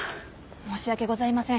申し訳ございません。